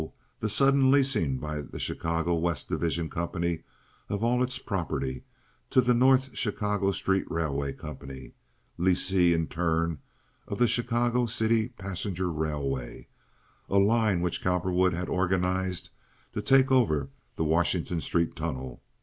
the sudden leasing by the Chicago West Division Company of all its property—to the North Chicago Street Railway Company, lessee in turn of the Chicago City Passenger Railway, a line which Cowperwood had organized to take over the Washington Street tunnel.